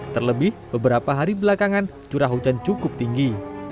terlebih beberapa hari belakangan curah hujan cukup tinggi